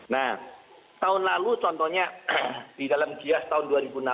nah tahun lalu contohnya di dalam gias tahun dua ribu enam belas